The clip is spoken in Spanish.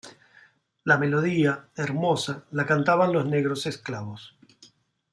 La melodía, hermosa, la cantaban los negros esclavos.